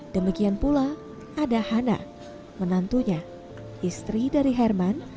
demikian pula ada hana menantunya istri dari herman